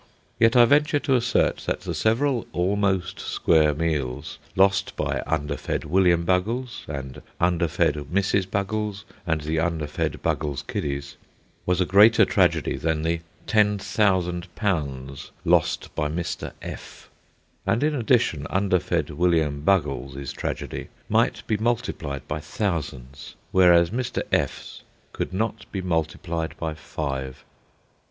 Yet I venture to assert that the several almost square meals lost by underfed William Buggles, and underfed Mrs. Buggles, and the underfed Buggles kiddies, was a greater tragedy than the £10,000 lost by Mr. F . And in addition, underfed William Buggles' tragedy might be multiplied by thousands where Mr. F 's could not be multiplied by five.